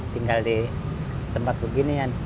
tinggal di tempat beginian